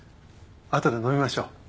あとで飲みましょう。